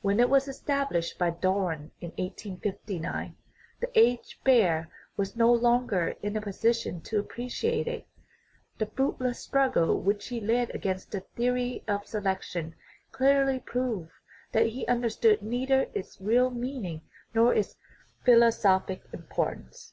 When it was established by Darwin in 1859, the aged Baer was no longer in a position to appreciate it ; the fruit less struggle which he led against the theory of selec tion clearly proved that he understood neither its real meaning nor its philosophic importance.